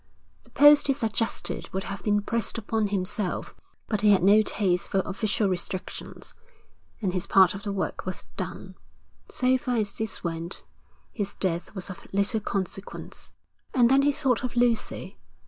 The post he suggested would have been pressed upon himself, but he had no taste for official restrictions, and his part of the work was done. So far as this went, his death was of little consequence. And then he thought of Lucy.